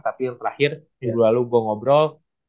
tapi yang terakhir minggu lalu gue ngobrol